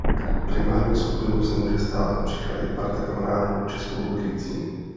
Primární skupinou se může stát například i parta kamarádů či spolubydlící.